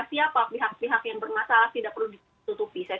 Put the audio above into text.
siapa pihak pihak yang bermasalah tidak perlu ditutupi